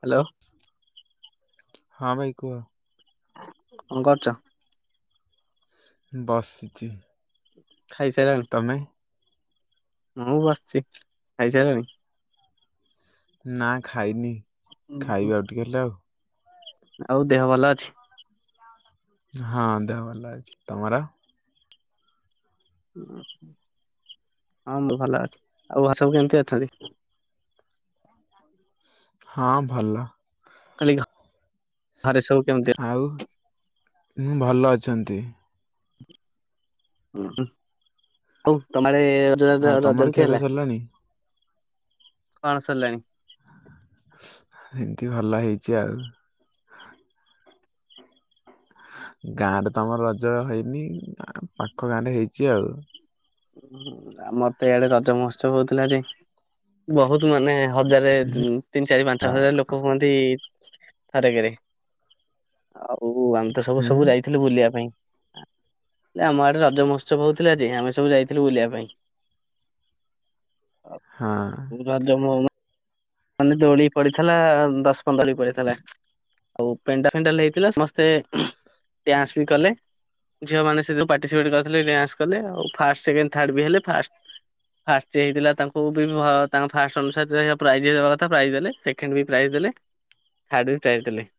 Hello. ହଁ ଭାଇ କୁହ। କଣ କରୁଛ? ବସିଛି। ଖାଇ ସାରିଲଣି? ତମେ? ମୁଁ ବସିଛି। ଖାଇସାରିଲଣି? ନା ଖାଇନି ଉହୁଁ ଖାଇବି ଆଉ ଟିକେ ହେଲେ ଆଉ। ଆଉ ଦେହ ଭଲ ଅଛି? ହଁ ଦେହ ଭଲ ଅଛି। ତମର? ହଁ ମୁଁ ଭଲ ଅଛି। ଆଉ ଘରେ ସବୁ କେମିତି ଅଛନ୍ତି? ହଁ ଭଲ। କଳିଙ୍ଗ। ଆଉ ହୁଁ ଭଲ ଅଛନ୍ତି। ଆଉ ତମଆଡ଼େ ଆଉ ରଜ ରଜ ତମର କେମିତି ଖିଆପିଆ ହେଲା ସରିଲାଣି କଣ ସରିଲାଣି? ହେମିତି ଭଲ ହେଇଛି ଆଉ। ଗାଁ ରେ ଆମର ରଜ ହେଇନି ପାଖ ଗାଁ ରେ ହେଇଛି ଆଉ। ହଁ ଆମର ତ ଇଆଡେ ରଜ ମହତ୍ସବ ହଉଥିଲା ଯେ ବହୁତ ମାନେ ହଜାରେ ତିନି ଚାରି ପାଞ୍ଚ ହଜାର ଲୋକ ହୁଅନ୍ତି ଥରକରେ ଆଉ ଆମ ତ ସବୁ ହୁଁ ହୁଁ ସବୁ ଯାଇଥିଲୁ ବୁଲିବା ପାଇଁ ହେ ଆମ ଆଡେ ରଜ ମହୋତ୍ସବ ହଉଥିଲା ଯେ ଆମେ ସବୁ ଯାଇଥିଲୁ ବୁଲିବା ପାଇଁ ଆ ହଁ। ବମ ହଉ [unintelligible] ମାନେ ଦୋଳି ପଡିଥିଲା ଦଶ ପନ୍ଦର ପଡିଥିଲା। ଆଉ ପେଣ୍ଡାଲ ଫେଣ୍ଡାଲ ହେଇଥିଲା ସମସ୍ତେ ଡ୍ୟାନ୍ସ ବି କଲେ ଝିଅ ମାନେ ସେଥିରେ ପାର୍ଟିସିପେଟ କରିଥିଲେ ଡାନ୍ସ କଲେ ଆଉ ଫାର୍ଷ୍ଟ ସେକେଣ୍ଡ ଥାର୍ଡ଼ ବି ହେଲେ ଫାଷ୍ଟ ଫାଷ୍ଟ ଯିଏ ହେଇଥିଲା ତାଙ୍କୁ ବି ନୁହଁ ତାଙ୍କ ଫାଷ୍ଟ ଅନୁସାରେ ପ୍ରାଇ ଯିଏ ଦେବା କଥା ପ୍ରାଇଜ ଦେଲେ ସେକେଣ୍ଡ ବି ପ୍ରାଇଜ ଦେଲେ ଥାର୍ଡ ବି ପ୍ରାଇଜ ଦେଲେ।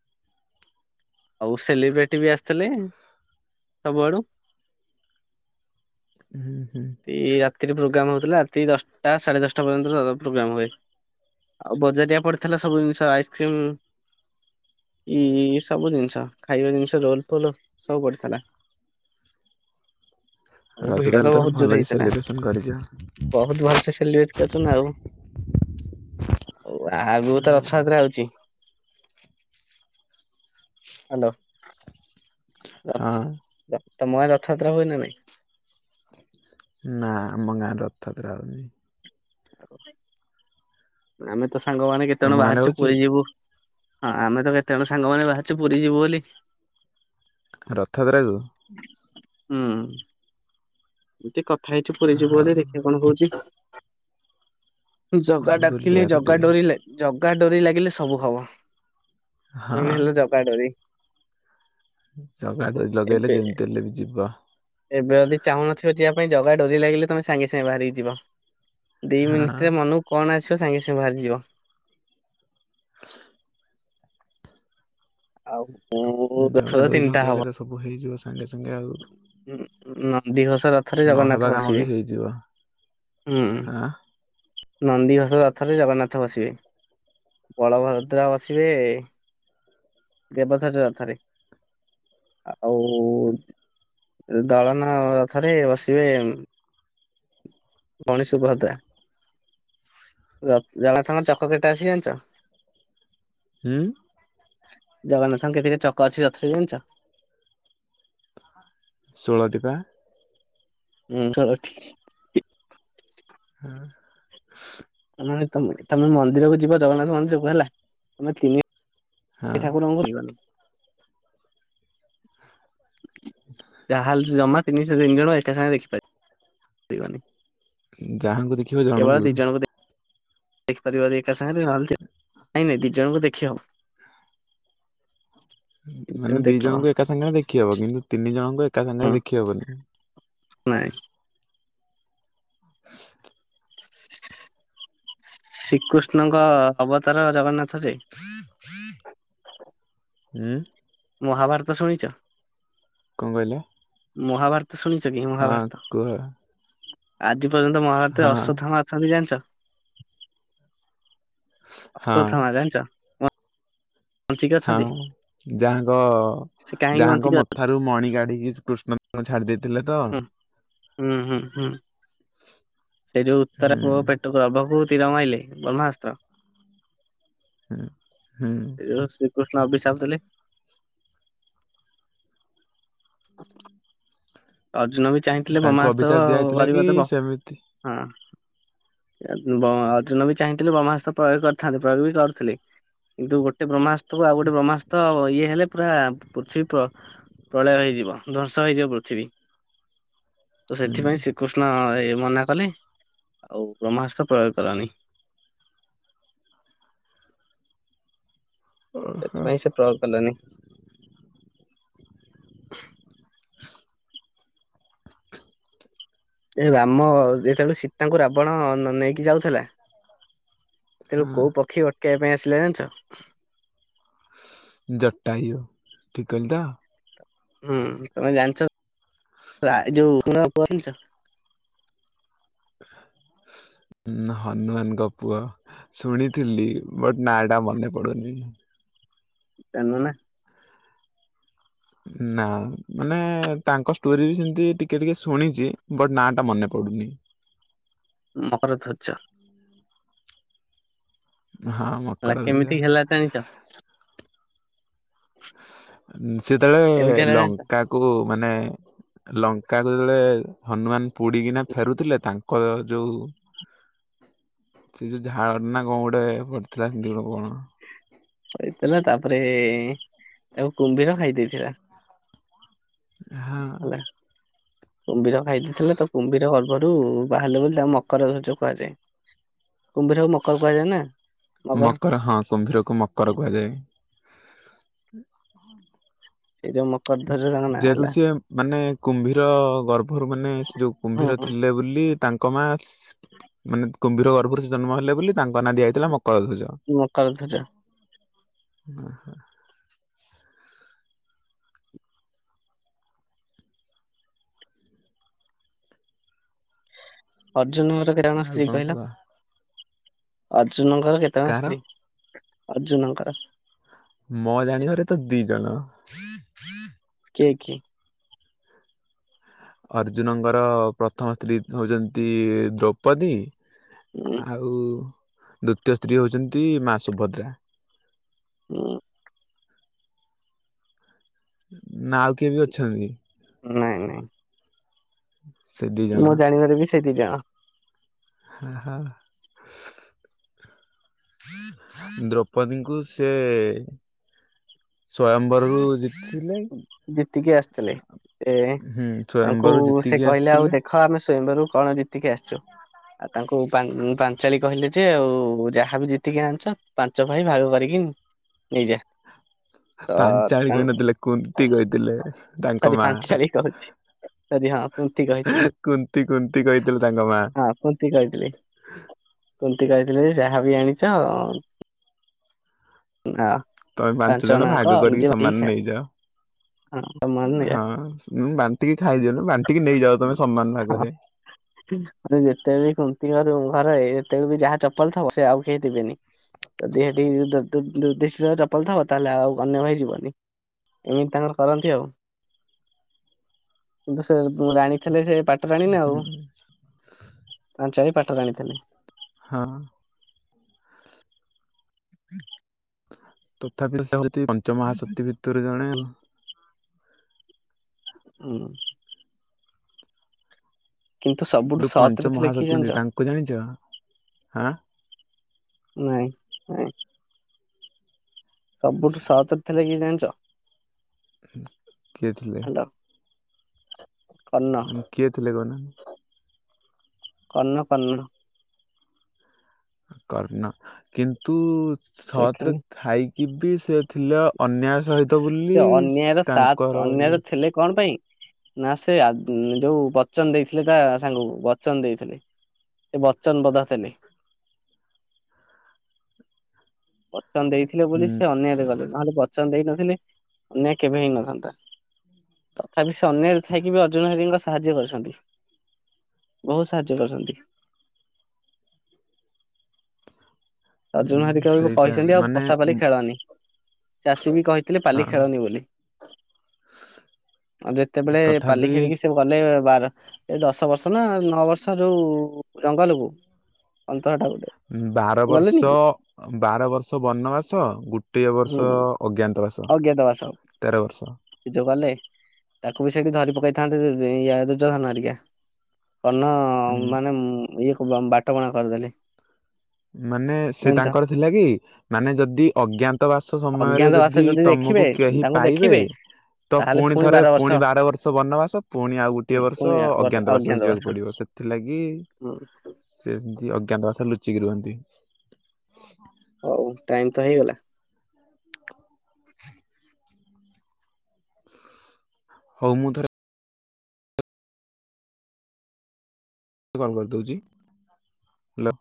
ଆଉ ସେଲିବ୍ରିଟି ବି ଆସିଥିଲେ ସବୁଆଡୁ। [inaudible] ହୁଁ ହୁଁ। ଏଇ ରାତିରେ ପୋଗ୍ରାମ ହଉଥିଲା ରାତି ଦଶଟା ସାଢେ ଦଶଟା ପର୍ଯ୍ୟନ୍ତ ପୋଗ୍ରାମ ହୁଏ। ଆଉ ବଜାର ରେ ପଡିଥିଲା ସବୁ ଜିନିଷ ଆଇସ୍କ୍ରିମ ଏ ଏଇ ସବୁ ଜିନିଷ ଖାଇବା ଜିନିଷ ରୋଲ ଫୋଲ ସବୁ ପଡିଥିଲା। [inaudible] ଆଉ ରଜ ଭିଡ ତାହେଲେ ତ ତମେ ବହୁତ ଜୋର୍ ତ ଭଲକି ହେଇଥିଲା ସେଲିବ୍ରେସନ କରିଛ ବହୁତ ଭଲ ସେ ସେଲିବ୍ରେଟ କରିଛ ନା ଆଉ ଆଉ ଆଗକୁ ତ ହଁ ରଥଯାତ୍ରା ଆଉଛି ହ୍ୟାଲୋ ରଥ ହଁ। ତମ ଗାଁରେ ରଥଯାତ୍ରା ହୁଏ ନା ନାଇଁ? ନା ଆମ ଗାଁରେ ରଥଯାତ୍ରା ହୁଉନି। ଆଉ ଆମେ ତ ସାଙ୍ଗମାନେ କେତେ ତମ ଜଣ ଗାଁରେ ବାହାରିଛୁ ହଉଛି ପୁରୀ ଯିବୁ ହଁ ଆମେ ତ କେତେ ଜଣ ସାଙ୍ଗମାନେ ବାହାରିଛୁ ପୁରୀ ଯିବୁ ବୋଲି ରଥଯାତ୍ରାକୁ ହୁଁ। ଗୋଟେ କଥା ହେଇଛି ପୁରୀ ଯିବୁ ବୋଲି ହଉ ଦେଖିବା କଣ ହଉଛି। ଜଗା ହଁ ବୁଲି ଡାକିଲେ ଆସ ଜଗା ଟିକେ ଡୋରି ଜଗା ଡ଼ୋରି ଲାଗିଲେ ସବୁ ହବ। ମୁ ହଁ ହେଲେ ଜ କଡରି [unintelligible] ଜଗା ଡ଼ୋରି ଲଗେଇଲେ ଯେମିତି ହେଲେ ବି ଯିବ। ଏବେ ଯଦି ଚାହୁଁନଥିବ ଯିବା ପାଇଁ ଜଗା ଡ଼ୋରି ଲାଗିଲେ ତମେ ସାଙ୍ଗେ ସାଙ୍ଗେ ବାହାରିକି ଯିବ। ଦି ହଁ ମିନିଟ ରେ ମନକୁ କଣ ଆସିବ ସାଙ୍ଗେ ସାଙ୍ଗେ ବାହାରିଯିବ। [inaudible] ଆଉ। ରଥ ତ ଜାଗା ଡ଼ୋରି ତିନିଟା ଲଗେଇଲେ ରେ ସବୁ ହେଇଯିବ ସାଙ୍ଗେ ସାଙ୍ଗେ ଆଉ। ଉଁ ଉଁ ନନ୍ଦୀଘୋଷ ରଥରେ ନହେବା ଜଗନ୍ନାଥ କାମ ବି ହେଇଯିବ ବସିବେ। ହୁଁ ହଁ ନନ୍ଦୀଘୋଷ ରଥରେ ଜଗନ୍ନାଥ ବସିବେ ବଳଭଦ୍ର ବସିବେ ଦେବଥରଥାର [unintelligible] ଆଉ ଦଳନ ରଥରେ ବସିବେ ଗଣେଶଭଦା [unintelligible] ଜଗନ୍ନାଥଙ୍କ ଚକ କେତଟା ଅଛି ଜାଣିଚ? ହୁଁ। ଜଗନ୍ନାଥଙ୍କ କେତଟା ଚକ ଅଛି ରଥରେ ଜାଣିଚ? ଷୋଳଟିପା। ହୁଁ ହଲ ଠିକ୍ ହଁ। ସେମାନେ ତମେ, ତମେ ମନ୍ଦିରକୁ ଯିବ ଜଗନ୍ନାଥ ମନ୍ଦିର କୁ ହେଲା ତମେ ତିନି ହଁ ସେ ଠାକୁ ଜମା ଯିବାକି। ଯାହାଲେ ଜମା ତିନିଶହ ତିନି ଜଣ ଏକା ସାଙ୍ଗେ ଦେଖିପାରିବିବନି। ଯାହା ଙ୍କୁ ଦେଖି କେବଳ ଦି ଜଣଙ୍କୁ ଦେଖି ଦେଖିପାରିବ ଏକା ସାଙ୍ଗରେ ନହେଲେ ନାଇଁ ନାଇଁ ଦି ଜଣଙ୍କୁ ଦେଖି ହବ। ମାନେ ହବ ଦି ଦେଖି ହବ ଜଣଙ୍କୁ ଏକା ସାଙ୍ଗରେ ଦେଖିହବ କିନ୍ତୁ ତିନି ଜଣଙ୍କୁ ଏକା ସାଙ୍ଗରେ ଦେଖିହବନି। ନାଇଁ ଶ୍ରୀକୃଷ୍ଣଙ୍କ ଅବତାର ଜଗନ୍ନାଥ ଯେ। ହୁଁ। ମହାଭାରତ ଶୁଣିଚ? କଣ କହିଲେ? ମହାଭାରତ ଶୁଣିଚ କି ହଁ ମହାଭାରତ? କୁହ ଆଜି ପର୍ଯ୍ୟନ୍ତ ମହାଭାରତରେ ହଁ ଅଶ୍ୱଥାମା ଅଛନ୍ତି ଜାଣିଚ? ହଁ ଆସୁଥମା ଜାଣିଛ [unintelligible] ବଞ୍ଚିକି ହଁ ଅଛନ୍ତି ଯାହାଙ୍କ ସେ କାହିଁକି ଯାହାଙ୍କ ବଞ୍ଚିକି ଅଛନ୍ତି? ମଥା ରୁ ମଣି କାଢିକି କୃଷ୍ଣଙ୍କୁ ଛାଡି ଦେଇେଇଥିଲେ ତ? ହୁଁ ହୁଁ ହୁଁ ହୁଁ ସେ ଯେଉ ଉତରା ପୁଅ ହୁଁ। ପେଟୁ। ଗଭକୁ ତିର ମାଇଲେ ବ୍ରହ୍ମାଅସ୍ତ୍ର। ହୁଁ ହୁଁ ଯଉ ଶ୍ରୀକୃଷ୍ଣ ଅଭିଶାପ ଦେଲେ। ଅର୍ଜୁନ ବି ଚାହିଁଥିଲେ ତାଙ୍କୁ ବ୍ରମାସ୍ତ୍ର ଅଭିଶାପ ଦିଆ [unintelligible] ହେଇଥିଲା ହସ କି ଗିବ ତ ସେମିତି ହଁ ଅର୍ଜୁନ ବି ଚାହିଁଥିଲେ ବ୍ରହ୍ମାଅସ୍ତ୍ର ପ୍ରୟୋଗ କରିଥାନ୍ତେ। ପ୍ରୟୋଗ ବି କରୁଥିଲେ। କିନ୍ତୁ ଗୋଟେ ବ୍ରହ୍ମାସ୍ତକୁ ଆଉ ଗୋଟେ ବ୍ରହ୍ମାସ୍ତ ଇଏ ହେଲେ, ପୁରା ପୃଥିବୀ ପ୍ର ପ୍ରଳୟ ହେଇଯିବ। ଧ୍ୱଂସ ହେଇଯିବ ପୃଥିବୀ। ତ ହୁଁ। ସେଥିପାଇଁ କୃଷ୍ଣ ଏ ମନା କଲେ। ଆଉ ବ୍ରହ୍ମାସ୍ତ୍ର ପ୍ରୟୋଗ କରନି। ଓହୋ ସେଥିପାଇଁ ସେ ପ୍ରୟୋଗ କଲେନି। ଏ ରାମ ଯେତେବେଳେ ସୀତାଙ୍କୁ ରାବଣ ନେଇକି ଯାଉଥିଲା। ସେତେଏଳକୁ ହଁ କୋଉ ପକ୍ଷୀ ଅଟକେଇବା ପାଇଁ ଆସିଲା ଜାଣିଛ? ଜଟାୟୁ ଠିକ୍ କହିଲି ତ? ହୁଁ ତମେ ଜାଣିଛ ଯୋଉ [unintelligible] ପହଣିଛ [inaudible] ହୁଁ ହନୁମାନଙ୍କ ପୁଅ ଶୁଣିଥିଲି ବଟ୍ ନାଟା ମନେ ପଡୁନି। ଯାନନୁ ନା? ନା ମାନେ ତାଙ୍କ ଷ୍ଟୋରି ବି ସେମତି ଟିକ୍ ଟିକେ ଟିକେ ଶୁଣିଛି ବଟ୍ ନାଁ ଟା ମନେ ପଡୁନି। ମକରଧୋର୍ଜ। ହଁ ହେଲା ମକର ଗଜା କେମିତି ହେଲା ଜାଣିଚ? ସେତେବେଳେ ଲଙ୍କା କୁ ମାନେ ଲଙ୍କା କୁ ଯେତେବେଳେ ହନୁମାନ ପୋଡିକିନା ଫେରୁଥିଲେ ତାଙ୍କ୍ କର ଯୋଉ ସେ ଯେଉ ଝାଳଟ ନା କଣ ଗୋଟେ ପଡ଼ିଥିଲା ସେମିତି ଗୋଟେ କଣ। ହେଇଥିଲା ତାପରେ -ତାଉ କୁମ୍ଭୀର ଖାଇ ଦେଇଥିଲା। ହଁ। ହେଲା କୁମ୍ଭୀର ଖାଇ ଦେଇେଥିଲେ ତ କୁମ୍ଭୀର ଗର୍ଭରୁ ବାହାରିଲେ ବୋଲି ତାଙ୍କୁ ମକରଧର୍ଜ୍ କୁହାଯାଏ। କୁମ୍ଭୀର ମୁଁ। ମକର ହଁ କୁମ୍ଭୀରକୁ ମକର କୁହାଯାଏ। ସେଇ ଯଉ ମକର ଧରନ୍ ଯେହେତୁ ସିଏ ମାନେ କୁମ୍ଭୀର ଗର୍ଭରୁ ମାନେ ସେ ଯେଉଁ କୁମ୍ଭୀର ଥିଲେ ବୋଲି ତାଙ୍କ ମା ମାନେ କୁମ୍ଭୀର ଗର୍ଭରେ ସେ ଜନ୍ମ ହେଲେ ବୋଲି ତାଙ୍କ ନାଁ ଦିଆଯାଇଥିଲା ମକର ଧ୍ୱଜ। ମକର ଧ୍ଵଜ। ଓ ହ। ଅର୍ଜୁନଙ୍କର [unintelligible] ଜଣ ଆଉ ସ୍ତ୍ରୀ କଣ କହିଲ? କୁହ ଅର୍ଜୁନଙ୍କର କେତେ ଜଣ କାହାର ସ୍ତ୍ରୀ? ଅର୍ଜୁନଙ୍କର? ମ ଜାଣିବାରେ ତ ଦି ଜଣ। କିଏ କି? ଅର୍ଜୁନଙ୍କର ପ୍ରଥମ ସ୍ତ୍ରୀ ହୋଉଚନ୍ତି ଦ୍ରୌପଦୀ ଉଁ ଆଉ ଦ୍ଵିତୀୟ ସ୍ତ୍ରୀ ହଉଛନ୍ତି ମା ସୁଭଦ୍ରା। ହୁଁ। ନା ଆଉ କିଏ ବି ଅଛନ୍ତି? ନାଇଁ ନାଇଁ। ସେ ଦି ଜଣ। ମୁଁ ଜାଣିବାରେ ବି ସେ ଦି ଜଣ। ହହ। ଦ୍ରୌପଦୀଙ୍କୁ ସେ ସ୍ଵୟମ୍ବରରୁ ଜି ଜିତିକି ଆସିଥିଲେ ଏ ହୁଁ ତାଙ୍କୁ ସ୍ଵୟମ୍ବର ସେ ଜିତିକି କହିଲେ ଆଉ ଆସିଥିଲେ ଦେକ୍ ଖ ଆମେ ସ୍ଵୟଂବରରୁ କଣ ଜିତିକି ଆସିଛୁ? ଆଉ ତାଙ୍କୁ ପା ପାଞ୍ଚାଳି କହିଲେ ଯେ ଆଉ ଯାହାବି ଜିତିକି ଆଣିଚ ପାଞ୍ଚ ଭାଇ ଭାଗ କରିକି ନେଇଯା। ତ ପାଞ୍ଚାଳି ତାଙ୍କ କହିନଥିଲେ କୁନ୍ତି କହିଥିଲେ ତାଙ୍କ ସରି ମା। ପାଞ୍ଚାଳି କହୁଛି ସରି ହଁ ପୁନ୍ତି କହିଥିଲି। କୁନ୍ତି କୁନ୍ତି କହିତିଲେ ତାଙ୍କ ମା। ହଁ କୁନ୍ତି କହିଥିଲି କୁନ୍ତି କହିଥିଲି ଯାହା ବି ଆଣିଚ ହଁ। ତମେ ପାଞ୍ଚ ଜଣ ଜଣଆଙ୍କ ଭାଗ ନିଜେ କରିକି ବାଟିକି ସମାନ୍ ଖାଏ। ନେଇଯାଅ। ହଁ ତମର ନିରା ହଁ ବାଣ୍ଟିକି ଖାଇଦିଅନ୍ତୁ ବାଣ୍ଟିକି ନେଇଯାଅ ତମେ ସମାନ୍ ଭାଗରେ। [inaudible] ଯେତେ ବି କୁନ୍ତି ଘରୁ ଘରେ ଯେତେବେ ବି ଯାହା ଚପଲ ଥବ ସେ ଆଉ କେହିଦେବେନି। ଯଦି ହେଠି ଯୁଧି ଯୁଧିଷ୍ଠିରଙ୍କ ଚପଲ ଥିବ ତାହେଲେ ଆଉ ଅନ୍ୟ ଭାଇ ଯିବନି। ଏମିତି ତାଙ୍କର କରନ୍ତି ଆଉ କିନ୍ତୁ ସେ ମୁଁ ଜାଣିଥିଲି ଯେ ପାଟ୍ ଜାଣିନି ଆଉ ହୁଁ ପାଞ୍ଚାରି ପାଟ ରାଣୀ ଥିଲେ। ହଁ। [inaudible] ତଥାପି ସେ ହେଉଛି ପଞ୍ଚମହାଶକ୍ତି ଭିତରୁ ଜଣେ ଆଉ ହୁଁ କିନ୍ତୁ ସବୁଠୁ ଯୋଉ ସତରେ ପଞ୍ଚ ଥିଲେ କିଏ ମହାସତୀ କୁହନ୍ତି। ଜାଣିଚ? ତାଙ୍କୁ ଜାଣିଛ ହାଁ ନାଇଁ -ନାଇଁ ସବୁଠୁ ସତ୍ ରେ ଥିଲେ କିଏ ଜାଣିଛ? କିଏ ଥିଲେ? ହାଲୋ କର୍ଣ୍ଣ କିଏ ଥିଲେ କହୁନ? କର୍ଣ୍ଣ- କର୍ଣ୍ଣ କର୍ଣ୍ଣ, କିନ୍ତୁ ସେ ସତ୍ ରେ ଖାଲି ଥାଇକି ବି ସେ ଥିଲେ ଅନ୍ୟାୟ ସହିତ ସେ ବୁଲି ଅନ୍ୟାୟର ସାଥ ତାଙ୍କର ଅନ୍ୟାୟର ଇଏ ଥିଲେ କଣ ପାଇଁ ନା ସେ ଆଗ ଯୋଉ ବଚନ ଦେଇଥିଲେ। ତା ସାଙ୍ଗକୁ ବଚନ ଦେଇଥିଲେ। ସେ ବଚନ ବଦ୍ଧ ଥିଲେ। ବଚନ ଦେଇଥିଲେ ବୋଲି ହୁଁ ସେ ଅନ୍ୟାୟ ରେ ଗଲେ ନହେଲେ ବଚନ ଦେଇନଥିଲେ ଅନ୍ୟାୟ କେବେ ହେଇ ନଥାନ୍ତା। ତଥାପି ସେ ଅନ୍ୟାୟ ରେ ଥାଇକି ବି ଅର୍ଜୁନ ହରିଙ୍କୁ ସାହାଯ୍ୟ କରିଛନ୍ତି। ବହୁତ ସାହାଯ୍ୟ କରିଛନ୍ତି। ହୁଁ ଅର୍ଜୁନ ହେରିକାଙ୍କୁ ସେଇଟା କହିଛନ୍ତି। ଆଉ ମାନେ ପଷା ପାଲି ଉଁ ଖେଳନି ଚାଷୀ ବି କହିଥିଲେ ପାଲି ହଁ ଖେଳନି ବୋଲି। ଆଉ ଯେତେବେଳେ ପାଲି ତଥାପି ଖେଳିକି ସେ ଗଲେ ବାର ଏ ଦଶ ବର୍ଷ ନା ନଅ ବର୍ଷ ଯୋଉ ଜଙ୍ଗଲକୁ ଅନ୍ତତଃ ବାର ବର୍ଷ ବାର ବର୍ଷ ବନବାସ, ଗୋଟିଏ ହୁଁ ବର୍ଷ ଅଜ୍ଞାତ ବାସ ଅଜ୍ଞାତ ବାସ ତେର ବର୍ଷ ଯୋଉ ଗଲେ ତାକୁ ବି ସେଇଠି ଧରି ପକେଇଥାନ୍ତେ। ଦୁଜ୍ୟଧନ ହେରିକା। କର୍ଣ୍ଣ ହୁଁ ମାନେ ମୁଁ ଇଏ କୁ ବାଟ ବଣା କରିଦେଲେ। ମାନେ ସେ ଜାଣିଛ ତାଙ୍କର ଥିଲା କି ମାନେ ଯଦି ଅଜ୍ଞାତ ବାସ ସମୟରେ ଅଜ୍ଞାତ ବାସ ଯଦି ଦେଖିବେ ତମକୁ କେହି ତାଙ୍କୁ ପାଇବେ ଦେଖିବେ ତ ପୁଣି ଥରେ ପୁଣି ବାର ବର୍ଷ ବନବାସ ପୁଣି ଆଉ ଗୋଟିଏ ବର୍ଷ ପୁଣି ଅଜ୍ଞାତ ବାସକୁ ଯିବାକୁ ପଡିବ। ସେ ସେଥିଲାଗି ହୁଁ ସେ ସେମିତି ଅଜ୍ଞାତ ବାସ ଲୁଚିକି ରୁହନ୍ତି। ହଉ ଟାଇମ ତ ହେଇଗଲା। ହଉ ମୁଁ ଥରେ [unintelligible] କରିଦେଉଛି ହ୍ୟାଲୋ